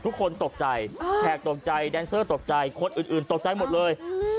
ทุกคนตกใจแขกตกใจแดนเซอร์ตกใจคนอื่นตกใจหมดเลย